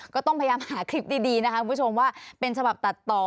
ก็ต้องพยายามหาคลิปดีนะคะคุณผู้ชมว่าเป็นฉบับตัดต่อ